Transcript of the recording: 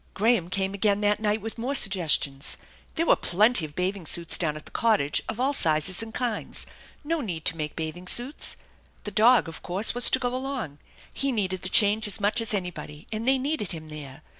Graham came again that night with more suggestions. There were plenty of bathing suits down at the cottage, of all sizes and kinds. No need to make bathing suits. The dog, of course, was to go along. He needed the change as THE ENCHANTED BARN 223 much as anybody, and they needed him there.